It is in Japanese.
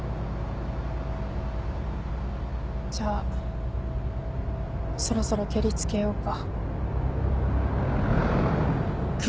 じゃあそろそろケリつけようか。